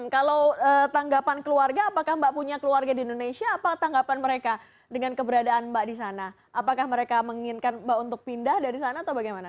kalau tanggapan keluarga apakah mbak punya keluarga di indonesia apa tanggapan mereka dengan keberadaan mbak di sana apakah mereka menginginkan mbak untuk pindah dari sana atau bagaimana